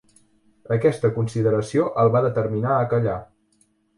Aquesta consideració el va determinar a callar.